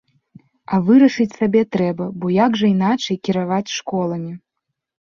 А вырашыць сабе трэба, бо як жа іначай кіраваць школамі.